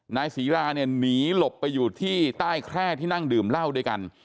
นายศรีราเนี่ยหนีหลบไปอยู่ที่ใต้แคร่ที่นั่งดื่มเหล้าด้วยกัน